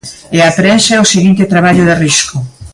E a prensa é o seguinte traballo de Risco.